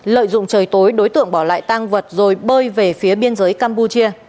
lợi dụng trời tối đối tượng bỏ lại tang vật rồi bơi về phía biên giới campuchia